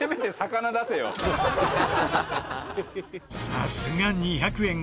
さすが２００円